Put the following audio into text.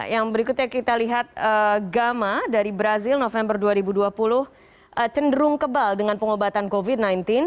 yang berikutnya kita lihat gamma dari brazil november dua ribu dua puluh cenderung kebal dengan pengobatan covid sembilan belas